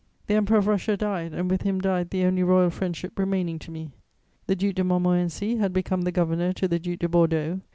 The Emperor of Russia died, and with him died the only royal friendship remaining to me. The Duc de Montmorency had become governor to the Duc de Bordeaux.